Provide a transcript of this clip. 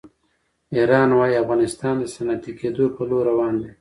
ایران وایي افغانستان د صنعتي کېدو په لور روان دی.